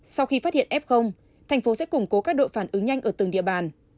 sau khi phát hiện f thành phố sẽ củng cố các đội phản ứng nhanh ở từng địa bàn